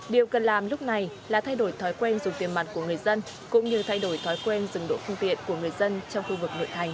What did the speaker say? điều cần làm lúc này là thay đổi thói quen dùng tiền mặt của người dân cũng như thay đổi thói quen dừng độ phương tiện của người dân trong khu vực nội thành